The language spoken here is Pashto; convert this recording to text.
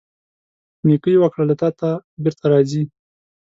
نیکۍ وکړه، له تا ته بیرته راځي.